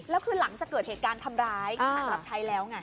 แล้วคือหลังจากเกิดเหตุการณ์ทำร้ายการรับใช้แล้วไง